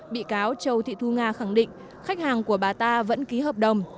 bị cáo châu thị thu nga khẳng định khách hàng của bà ta vẫn ký hợp đồng